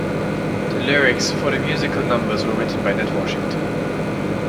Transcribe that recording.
The lyrics for the musical numbers were written by Ned Washington.